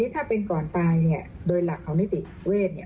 ถ้าเป็นก่อนตายโดยหลักของนิติเวทย์